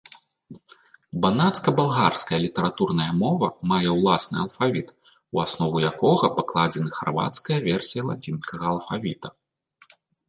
Банацка-балгарская літаратурная мова мае ўласны алфавіт, у аснову якога пакладзены харвацкая версія лацінскага алфавіта.